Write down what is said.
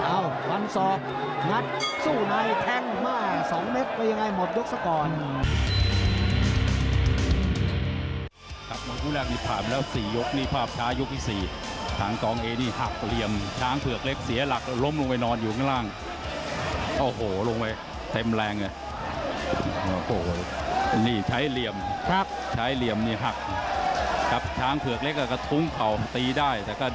อ้าววันสอบงัดสู้ในแทงมา๒เมตรไปยังไงหมดยกสักก่อน